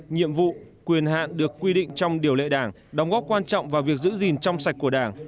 nhiệm vụ quyền hạn được quy định trong điều lệ đảng đóng góp quan trọng vào việc giữ gìn trong sạch của đảng